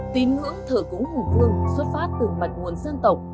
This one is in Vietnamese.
tín ngưỡng thờ cúng khủng vương xuất phát từ mặt nguồn dân tộc